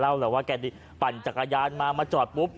เล่าแบบพันจากยานมามาจอดปุ๊บ